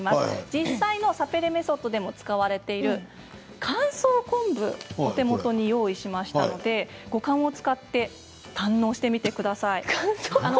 実際のサペレメソッドでも使われている乾燥昆布お手元に用意しましたので五感を使って堪能してみてください。